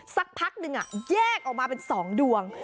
สักพักหนึ่งแยกออกมาเป็น๒ดวง